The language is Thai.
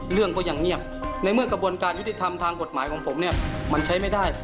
เรื่องก็ยังเงียบในเมื่อกระบวนการยุติธรรมทางกฎหมายของผมเนี่ยมันใช้ไม่ได้